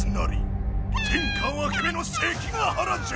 天下分け目の関ヶ原じゃ！」。